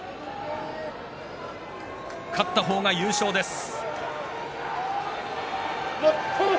勝った方が優勝です。